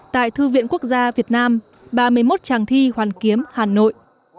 hai nghìn một mươi tám tại thư viện quốc gia việt nam ba mươi một tràng thi hoàn kiếm hà nội